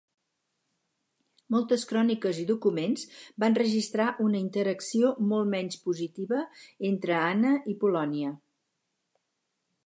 Moltes cròniques i documents van registrar una interacció molt menys positiva entre Anna i Polònia.